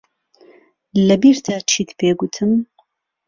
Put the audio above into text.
لەبیرتە چیت پێ گوتم؟